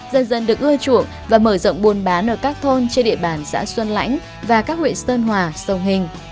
dần dần được ưa chuộng và mở rộng buôn bán ở các thôn trên địa bàn xã xuân lãnh và các huyện sơn hòa sông hình